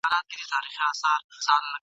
نه چا د پیر بابا له قبر سره ..